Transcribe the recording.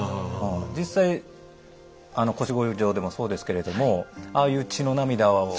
実際あの腰越状でもそうですけれどもああいう血の涙を。